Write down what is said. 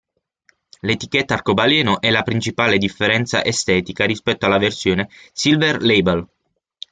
L'etichetta arcobaleno è la principale differenza estetica rispetto alla versione Silver Label.